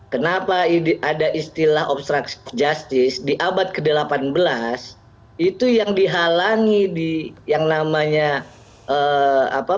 kenapa ada istilah obstruction justice di abad ke delapan belas itu yang dihalangi di yang namanya apa